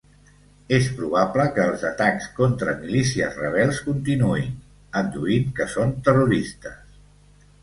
És probable que els atacs contra milícies rebels continuïn, adduint que són terroristes.